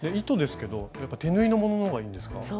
糸ですけどやっぱ手縫いのものの方がいいんですか？